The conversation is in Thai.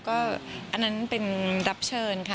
ก็อันนั้นเป็นรับเชิญค่ะ